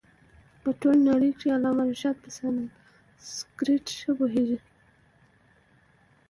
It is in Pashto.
په ټوله نړۍ کښي علامه رشاد په سانسکرېټ ښه پوهيږي.